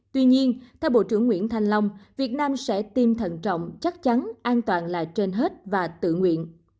tuy nhiên theo bộ trưởng nguyễn thanh long việt nam sẽ tiêm thần trọng chắc chắn an toàn là trên hết và tự nguyện